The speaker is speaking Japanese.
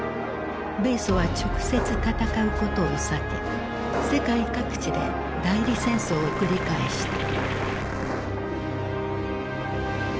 米ソは直接戦うことを避け世界各地で代理戦争を繰り返した。